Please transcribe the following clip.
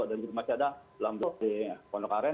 dan juga masih ada di lampung di pondokaren